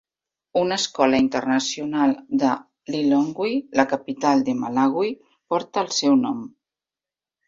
Una escola internacional de Lilongwe, la capital de Malawi, porta el seu nom.